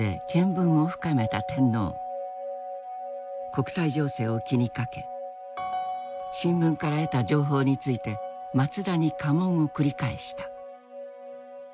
国際情勢を気にかけ新聞から得た情報について松田に下問を繰り返した。